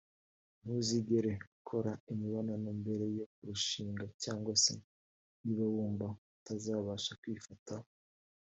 ntuzigere ukora imibonano mbere yo kurushinga cyangwa se niba wumva utazabasha kwifata